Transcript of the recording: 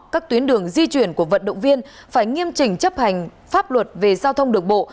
các tuyến đường di chuyển của vận động viên phải nghiêm trình chấp hành pháp luật về giao thông đường bộ